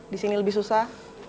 di sini lebih susah